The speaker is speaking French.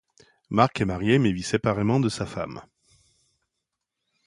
Mark est marié mais vit séparé de sa femme.